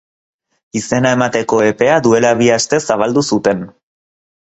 Izena emateko epea duela bi aste zabaldu zuten.